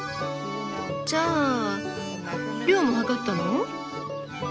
じゃあ量も量ったの？